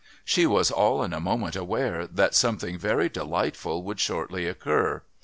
She was all in a moment aware that something very delightful would shortly occur.